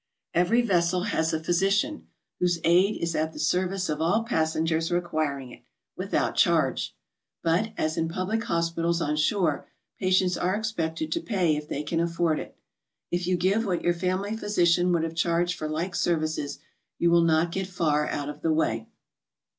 Every vessel has a physician, whose aid is at the service of all passengers requiring it, without charge. But, as in public hospitals on shore, patients are expected to pay if they can afford it. If you give what your family physician would have charged for like services, you will not get far out of the way.